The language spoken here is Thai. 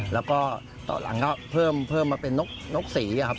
แล้วก็ตอนหลังก็เพิ่มมาเป็นนกสีครับ